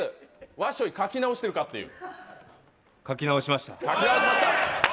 わっしょい書き直してるかっていう。